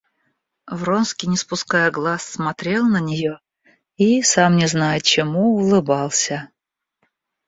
Вронский, не спуская глаз, смотрел на нее и, сам не зная чему, улыбался.